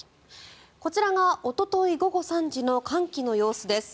こちらがおととい午後３時の寒気の様子です。